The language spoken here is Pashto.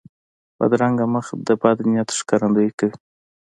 بدرنګه مخ د بد نیت ښکارندویي کوي